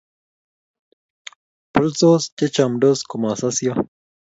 bolsot che chamdos komasosio